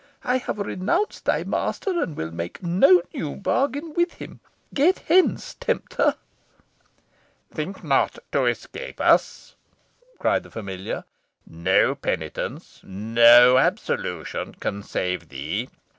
I have renounced thy master, and will make no new bargain with him. Get hence, tempter!" "Think not to escape us," cried the familiar; "no penitence no absolution can save thee.